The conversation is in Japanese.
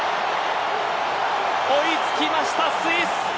追い付きました、スイス。